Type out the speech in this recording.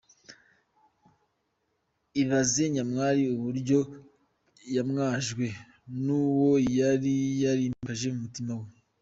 Ibaze Nyamwari uburyo yamwajwe nuwo yari yarimakaje mu mutima we?.